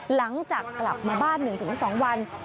หลังจากกลับมาบ้าน๑๒วัน